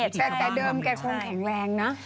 แต่เดิมแกคงแข็งแรงนะ